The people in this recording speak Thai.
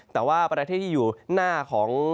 แต่ว่าประเทศที่อยู่หน้าของ